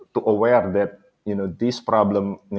memperhatikan bahwa masalah ini